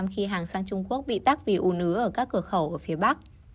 khi hàng sang trung quốc bị tắc vì u nứ ở các cửa khẩu ở phía bắc